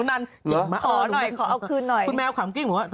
อ้าวขอหน่อยขอเอาคืนน่อยคุณแมวขำกลิ้งเหมือนกันว่า